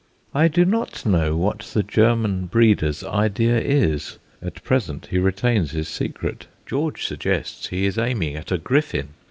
I do not know what the German breeder's idea is; at present he retains his secret. George suggests he is aiming at a griffin.